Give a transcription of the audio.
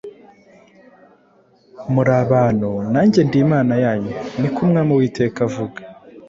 muri abantu, nanjye ndi Imana yanyu, ni ko Umwami Uwiteka avuga.